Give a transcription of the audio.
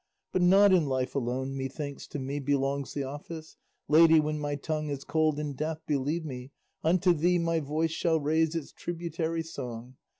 But not in life alone, methinks, to me Belongs the office; Lady, when my tongue Is cold in death, believe me, unto thee My voice shall raise its tributary song.